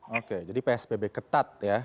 oke jadi psbb ketat ya